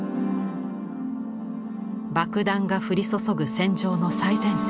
爆弾が降り注ぐ戦場の最前線。